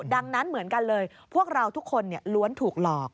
ดังนั้นเหมือนกันเลยพวกเราทุกคนล้วนถูกหลอก